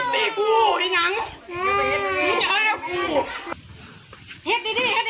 มันไม่กด